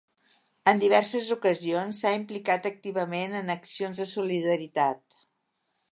En diverses ocasions s'ha implicat activament en accions de solidaritat.